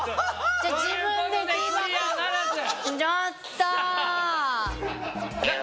ちょっと。